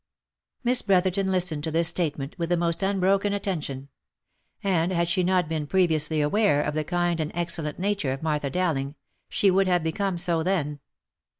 Miss Brotherton listened to this statement with the most unbroken attention ; and had she not been previously aware of the kind and excellent nature of Martha Dowling, she would have become so then.